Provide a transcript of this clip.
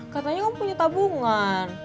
katanya kamu punya tabungan